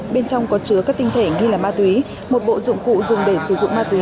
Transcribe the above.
bên trong có chứa các tinh thể nghi là ma túy một bộ dụng cụ dùng để sử dụng ma túy